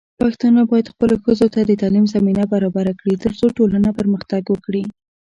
پښتانه بايد خپلو ښځو ته د تعليم زمينه برابره کړي، ترڅو ټولنه پرمختګ وکړي.